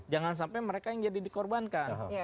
jangan sampai mereka yang jadi dikorbankan